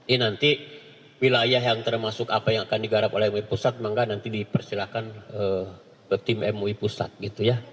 ini nanti wilayah yang termasuk apa yang akan digarap oleh mui pusat maka nanti dipersilahkan ke tim mui pusat gitu ya